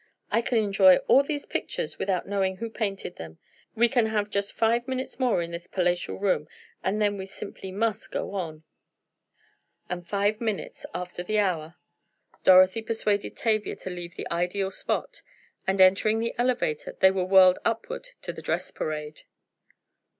"I can enjoy all these pictures without knowing who painted them. We can have just five minutes more in this palatial room, and then we simply must go on." And five minutes after the hour, Dorothy persuaded Tavia to leave the ideal spot, and, entering the elevator, they were whirled upward to the dress parade.